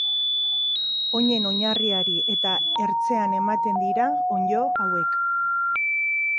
Oinen oinarriari eta ertzean ematen dira onddo hauek.